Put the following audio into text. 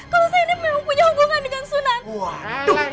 kalau saya ini memang punya hubungan dengan sunan